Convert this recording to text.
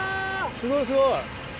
すごいすごい。